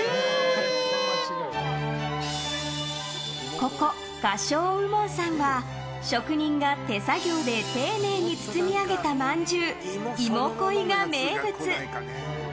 ここ、菓匠右門さんは職人が手作業で丁寧に包み上げたまんじゅう、いも恋が名物。